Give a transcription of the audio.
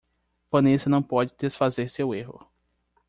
Vanessa não pode desfazer seu erro.